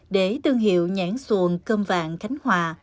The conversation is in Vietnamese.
để tương hiệu nhãn xuồng cơm vàng khánh hòa